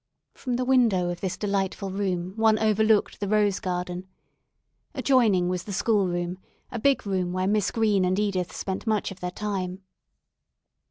From the window of this delightful room, one overlooked the rose garden. Adjoining was the schoolroom, a big room where Miss Green and Edith spent much of their time.